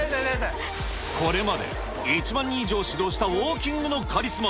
これまで１万人以上を指導したウォーキングのカリスマ。